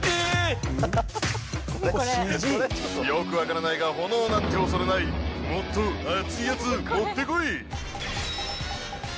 よく分からないが炎なんて恐れない「もっと熱いやつ持って来い！」